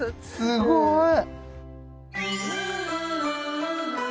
すごい！